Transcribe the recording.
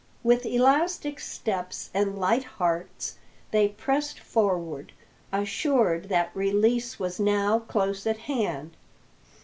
With elastic steps and light hearts they pressed forward, assured that release was now close at hand.